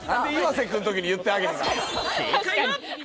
正解は。